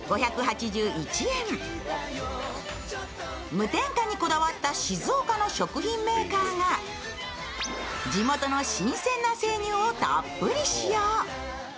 無添加にこだわった静岡の食品メーカーが地元の新鮮な生乳をたっぷり使用。